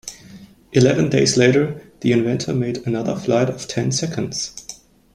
Eleven days later, the inventor made another flight of ten seconds.